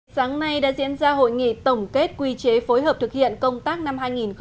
sáng nay đã diễn ra hội nghị tổng kết quy chế phối hợp thực hiện công tác năm hai nghìn một mươi chín